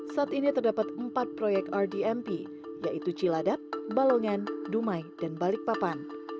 saat ini terdapat empat proyek rdmp yaitu ciladap balongan dumai dan balikpapan